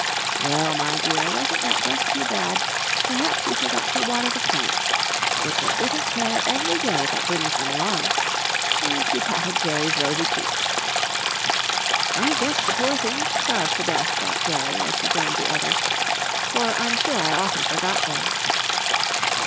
"Well, my dear, wasn't that just too bad? Perhaps you forgot to water the plants. It's a bit of care every day that brings them along," and she patted Jerry's rosy cheeks. "I guess the poor things starved to death," thought Jerry as she joined the others, "for I'm sure I often forgot them."